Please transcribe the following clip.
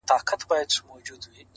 هره ستونزه د ودې بلنه ده’